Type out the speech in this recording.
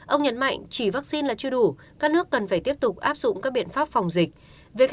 ông nhấn mạnh chỉ vaccine là chưa đủ các nước cần phải tiếp tục áp dụng các biện pháp phòng dịch